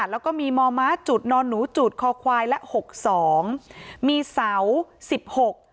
แล้วก็มีมอม้าจุดนอนหนูจุดคอควายและหกสองมีเสาสิบหก